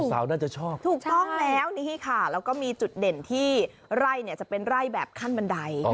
สาวน่าจะชอบถูกต้องแล้วนี่ค่ะแล้วก็มีจุดเด่นที่ไร่เนี่ยจะเป็นไร่แบบขั้นบันได